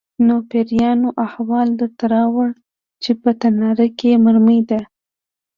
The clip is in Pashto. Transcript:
_نو پېريانو احوال درته راووړ چې په تناره کې مرمۍ ده؟